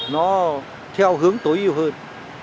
nó theo hướng tối ưu hơn